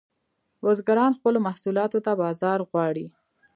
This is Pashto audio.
بزګران خپلو محصولاتو ته بازار غواړي